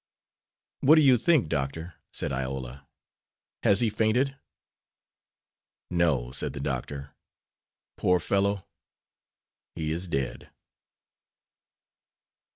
"What do you think, Doctor," said Iola, "has he fainted?" "No," said the doctor, "poor fellow! he is dead."